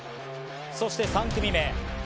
そして３組目。